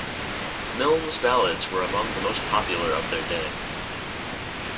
Milnes' ballads were among the most popular of their day.